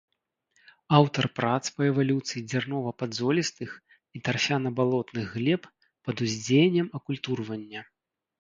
Аўтар прац па эвалюцыі дзярнова-падзолістых і тарфяна-балотных глеб пад уздзеяннем акультурвання.